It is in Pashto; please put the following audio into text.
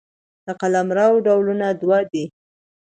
د قلمرو ډولونه دوه دي.